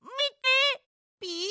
ピッ！